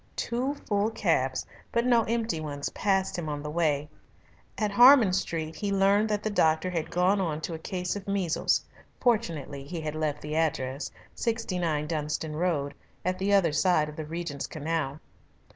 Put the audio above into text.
Two full cabs but no empty ones passed him on the way. At Harman Street he learned that the doctor had gone on to a case of measles, fortunately he had left the address 69 Dunstan Road, at the other side of the Regent's Canal.